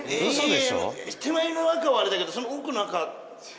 手前の赤はあれだけどその奥の赤は。